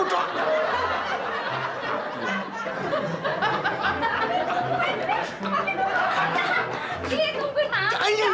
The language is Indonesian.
itu benar kak